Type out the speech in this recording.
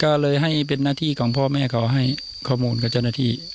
ก็เลยให้เป็นหน้าที่ของพ่อแม่เขาให้ข้อมูลกับเจ้าหน้าที่